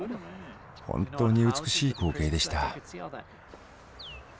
本当に美しい光景でした。